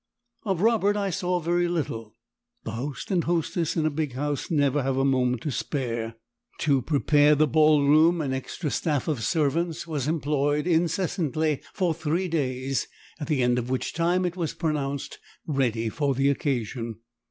Of Robert I saw very little; the host and hostess in a big house never have a moment to spare. To prepare the ball room an extra staff of servants was employed incessantly for three days, at the end of which time it was pronounced ready for the occasion.